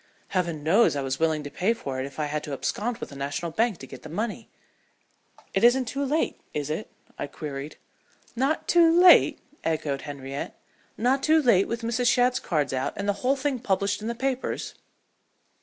Heaven knows I was willing to pay for it if I had to abscond with a national bank to get the money." "It isn't too late, is it?" I queried. "Not too late?" echoed Henriette. "Not too late with Mrs. Shadd's cards out and the whole thing published in the papers?"